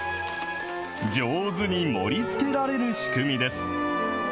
上手に盛りつけられる仕組みです。